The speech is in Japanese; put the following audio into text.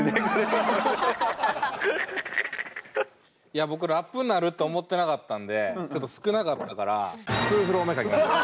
いや僕ラップになると思ってなかったんでちょっと少なかったからツーフロー目書きました。